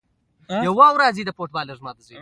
د مولوکان ټاپوګان د ځايي وګړو تر نابودولو وروسته.